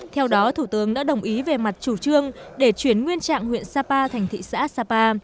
theo đó thủ tướng đã đồng ý về mặt chủ trương để chuyển nguyên trạng huyện sapa thành thị xã sapa